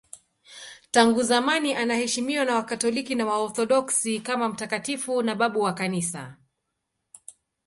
Tangu zamani anaheshimiwa na Wakatoliki na Waorthodoksi kama mtakatifu na babu wa Kanisa.